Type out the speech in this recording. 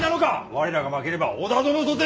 我らが負ければ織田殿とて！